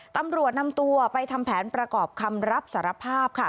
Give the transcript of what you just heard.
ตำรวจนำตัวไปทำแผนประกอบคำรับสารภาพค่ะ